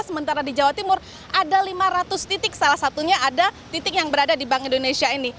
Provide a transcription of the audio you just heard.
sementara di jawa timur ada lima ratus titik salah satunya ada titik yang berada di bank indonesia ini